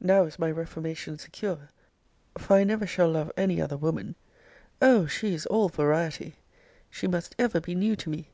Now is my reformation secure; for I never shall love any other woman! Oh! she is all variety! She must ever be new to me!